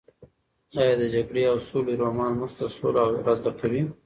ایا د جګړې او سولې رومان موږ ته سوله را زده کوي؟